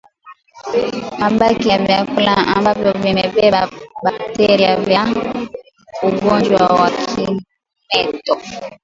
Mabaki ya vyakula ambavyo vimebeba bakteria vya ugonjwa wa kimeta